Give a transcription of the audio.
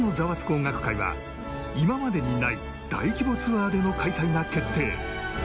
音楽会』は今までにない大規模ツアーでの開催が決定